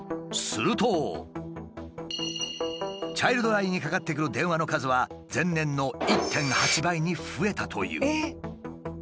するとチャイルドラインにかかってくる電話の数は前年の１．８倍に増えたという。